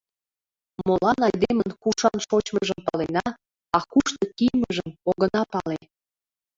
Молан айдемын кушан шочмыжым палена, а кушто кийымыжым огына пале?